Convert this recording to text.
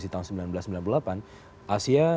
di tahun seribu sembilan ratus sembilan puluh delapan asia